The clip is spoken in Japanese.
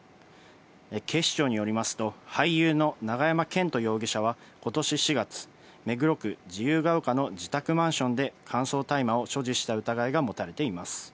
警視庁によりますと、俳優の永山絢斗容疑者は、ことし４月、目黒区自由が丘の自宅マンションで乾燥大麻を所持した疑いが持たれています。